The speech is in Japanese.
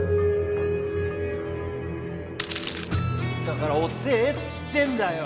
だから遅えっつってんだよ！